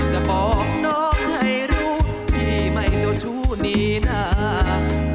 จะบอกน้องให้รู้พี่ไม่เจ้าชู้นี้นะ